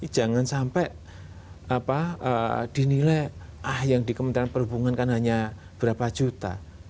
jangan sampai dinilai ah yang di kementerian perhubungan kan hanya berapa juta